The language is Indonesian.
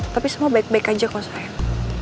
tapi semua baik baik aja kok sayang